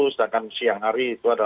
dua puluh satu sedangkan siang hari